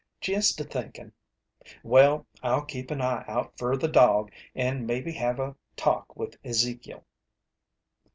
"Jest a'thinkin'. Well, I'll keep an eye out fer the dog and maybe have a talk with Ezekiel."